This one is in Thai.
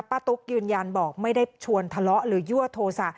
ตุ๊กยืนยันบอกไม่ได้ชวนทะเลาะหรือยั่วโทษะ